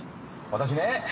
私ね